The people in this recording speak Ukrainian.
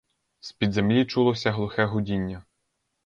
З-під землі чулося глухе гудіння.